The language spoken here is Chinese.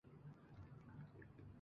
退役后基瑾顺理成章出任教练。